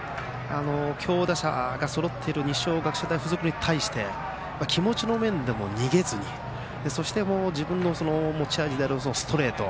強打者がそろっている二松学舎大付属に対して気持ちの面でも逃げずにそして、自分の持ち味であるストレート